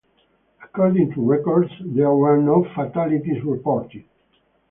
According to records, there were no fatalities reported.